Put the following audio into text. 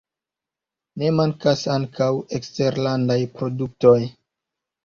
Ne mankas ankaŭ eksterlandaj produktoj.